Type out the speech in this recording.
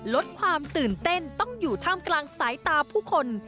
ลดความตื่นเต้นต้องอยู่ท่ามกลางสายตาผู้คน